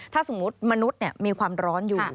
ถ้าสมมุติมนุษย์มีความร้อนอยู่